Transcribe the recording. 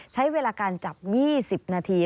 ใช้เวลาการจับ๒๐นาที